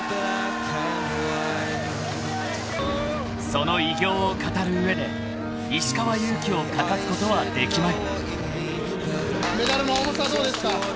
［その偉業を語る上で石川祐希を欠かすことはできまい］